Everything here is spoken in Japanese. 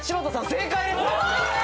正解です！